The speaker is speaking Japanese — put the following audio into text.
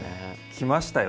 きましたよ